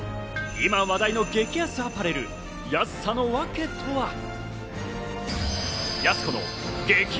今話題の激安アパレル、安さの訳とは？